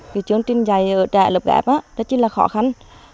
cái chương trình dạy ở trại lớp kẹp đó đó chính là khó khăn